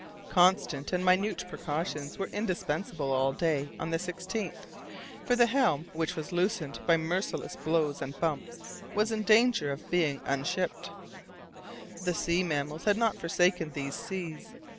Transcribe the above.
Constant and minute precautions were indispensable all day on the 16th, for the helm, which was loosened by merciless blows and bumps, was in danger of being unshipped. The sea mammals had not forsaken these seas.